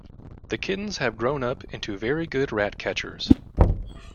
The kittens have grown up into very good rat-catchers.